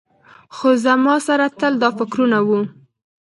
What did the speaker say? خو زما سره تل دا فکرونه وو.